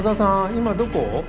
今どこ？